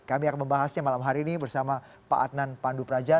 kami akan membahasnya malam hari ini bersama pak adnan pandu praja